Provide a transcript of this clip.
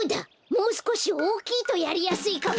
もうすこしおおきいとやりやすいかも！